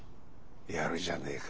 やるじゃねえか。